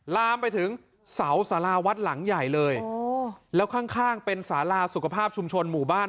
ลามไปถึงเสาสาราวัดหลังใหญ่เลยแล้วข้างข้างเป็นสาราสุขภาพชุมชนหมู่บ้าน